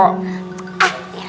ah ya lah